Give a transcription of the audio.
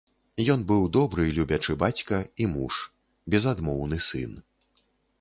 Ён быў добры, любячы бацька і муж, безадмоўны сын.